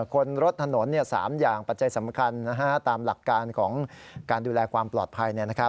คนรถถนน๓อย่างปัจจัยสำคัญตามหลักการของการดูแลความปลอดภัย